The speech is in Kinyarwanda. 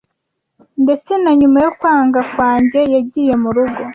Ndetse na nyuma yo kwanga kwanjye, yagiye murugo.